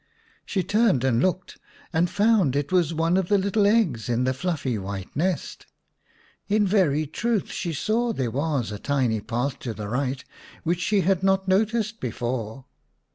She turned and looked, and found it was one of the little eggs in the fluffy white nest. In very truth she saw there was a tiny pathway to the right, which she had not noticed before.